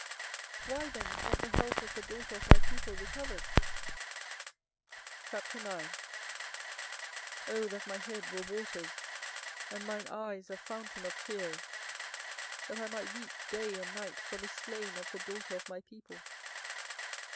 why then is not the health of the daughter of my people recovered? 24:009:001 Oh that my head were waters, and mine eyes a fountain of tears, that I might weep day and night for the slain of the daughter of my people!